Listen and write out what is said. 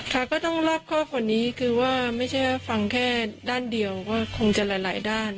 ค่ะก็ต้องรอบข้อกว่านี้คือว่าไม่ใช่ว่าฟังแค่ด้านเดียวก็คงจะหลายด้าน